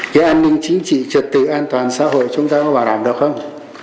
cái an ninh chính trị trật tự an toàn xã hội chúng ta có bảo đảm được không